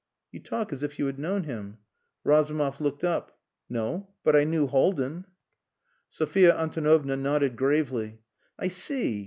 "You talk as if you had known him." Razumov looked up. "No. But I knew Haldin." Sophia Antonovna nodded gravely. "I see.